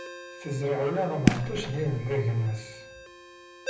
Tezreɛ ula d ameɛṭic din deg agnes.